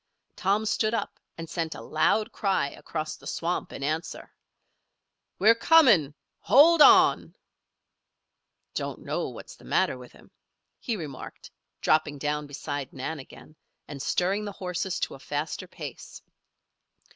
Tom stood up and sent a loud cry across the swamp in answer: "We're coming! Hold on! "Don't know what's the matter with him," he remarked, dropping down beside Nan again, and stirring the horses to a faster pace.